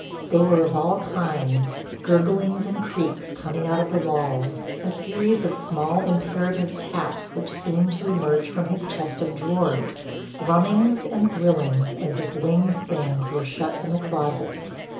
They were of all kinds, gurglings and creaks coming out of the walls, a series of small imperative taps which seemed to emerge from his chest of drawers, thrummings and thrillings as if winged things were shut in the closets.